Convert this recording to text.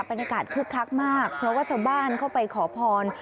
คึกคักมากเพราะว่าชาวบ้านเข้าไปขอพร